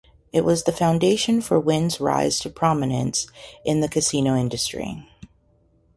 It was the foundation for Wynn's rise to prominence in the casino industry.